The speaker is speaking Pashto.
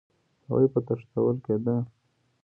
هغوی به تښتول کېده